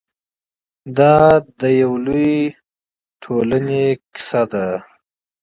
دا د یو لوی تمدن کیسه ده.